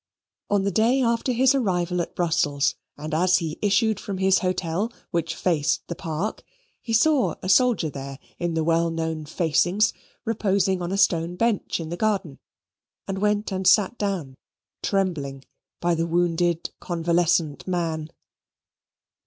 On the day after his arrival at Brussels, and as he issued from his hotel, which faced the park, he saw a soldier in the well known facings, reposing on a stone bench in the garden, and went and sate down trembling by the wounded convalescent man.